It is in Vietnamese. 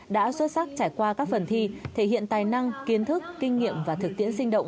đã xuất sắc trải qua các phần thi thể hiện tài năng kiến thức kinh nghiệm và thực tiễn sinh động